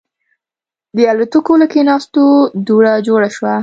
د الوتکې له کېناستو دوړه جوړه شوه.